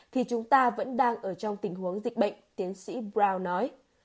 thì chúng ta vẫn đang ở trong tình huống dịch bệnh tiến sĩ brown nói